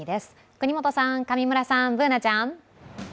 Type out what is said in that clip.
國本さん、上村さん、Ｂｏｏｎａちゃん。